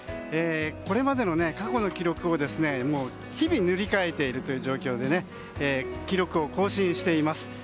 これまでの過去の記録を日々塗り替えているという状況で記録を更新しています。